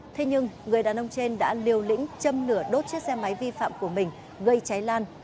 thế nhưng người đàn ông trên đã liều lĩnh châm nửa đốt chiếc xe máy vi phạm của mình gây cháy lan